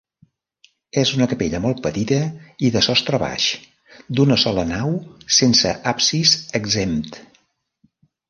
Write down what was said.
És una capella molt petita i de sostre baix, d'una sola nau sense absis exempt.